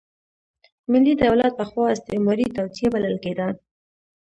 ملي دولت پخوا استعماري توطیه بلل کېده.